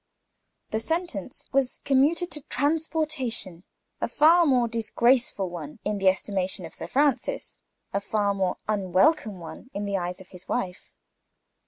The sentence was commuted to transportation. A far more disgraceful one in the estimation of Sir Francis; a far more unwelcome one in the eyes of his wife.